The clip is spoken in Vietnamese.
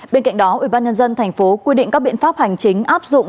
bên cạnh đó ủy ban nhân dân tp quy định các biện pháp hành chính áp dụng